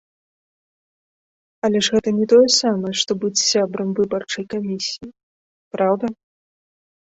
Але ж гэта не тое самае, што быць сябрам выбарчай камісіі, праўда?